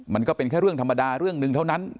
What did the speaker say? มันก็เป็นสิ่งธรรมดาเรื่องนึงเท่านั้น